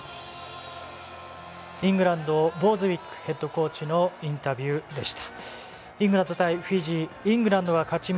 イングランドボーズウィックヘッドコーチのインタビューでした。